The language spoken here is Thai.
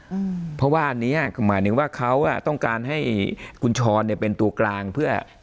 อืมเพราะว่าอันนี้ครับหมายถึงว่าเขาอ่ะต้องการให้คุณชรแฟนตัวกลางเพื่อ